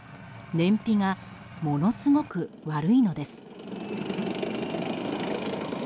燃費がものすごく悪いのです。